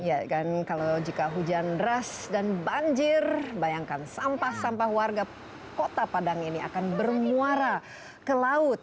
iya kan kalau jika hujan deras dan banjir bayangkan sampah sampah warga kota padang ini akan bermuara ke laut